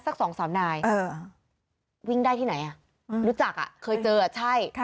น่าสัก๒๓นายวิ่งได้ที่ไหนอ่ะรู้จักอ่ะเคยเจออ่ะใช่